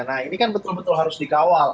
nah ini kan betul betul harus dikawal